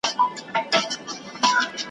د بلبلو په قفس کي له داستان سره همزولی `